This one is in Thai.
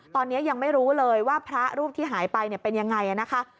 ตอนนี้ยังไม่รู้เลยว่าพระรูปที่หายไปเป็นยังไงนะคะ